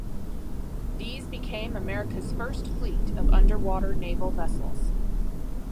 These became America's first fleet of underwater naval vessels.